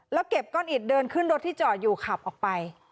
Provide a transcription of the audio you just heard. แล้วเก็บก้อนอิดเดินขึ้นรถที่จอดอยู่ขับออกไป